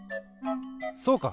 そうか！